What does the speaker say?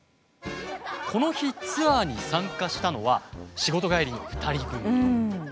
この日ツアーに参加したのは仕事帰りの２人組。